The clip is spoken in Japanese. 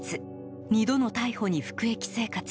２度の逮捕に服役生活。